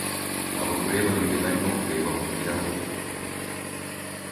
Abagore babiri barimo kureba mu kirahure